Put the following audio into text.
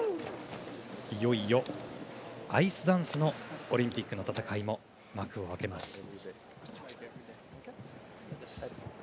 いよいよアイスダンスのオリンピックの戦いも幕を開けます。